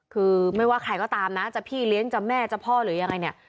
คือไม่ว่าใครก็ตามนะจะพี่เลี้ยงจะแม่จะพ่อหรือยังไงเนี่ย